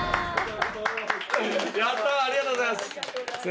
ありがとうございます。